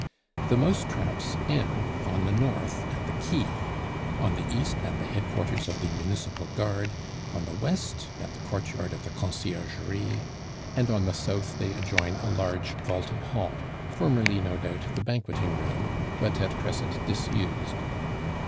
The "mousetraps" end on the north at the quay, on the east at the headquarters of the Municipal Guard, on the west at the courtyard of the Conciergerie, and on the south they adjoin a large vaulted hall, formerly, no doubt, the banqueting room, but at present disused.